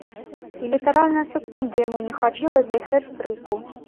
І літаральна секунды яму не хапіла для хет-трыку.